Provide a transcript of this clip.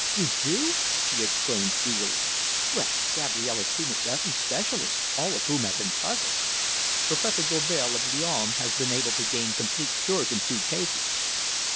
"You do?" she exclaimed eagerly. "Well, Gabrielle has seen a dozen specialists, all of whom have been puzzled." "Professor Gourbeil, of Lyons, has been able to gain complete cures in two cases.